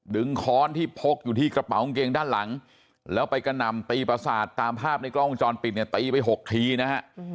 ค้อนที่พกอยู่ที่กระเป๋ากางเกงด้านหลังแล้วไปกระหน่ำตีประสาทตามภาพในกล้องวงจรปิดเนี่ยตีไป๖ทีนะฮะ